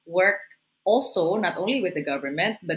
bukan hanya dengan pemerintah